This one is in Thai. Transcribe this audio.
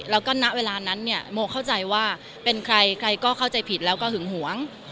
แล้วก็ณเวลานั้นเนี่ยโมเข้าใจว่าเป็นใครใครก็เข้าใจผิดแล้วก็หึงหวง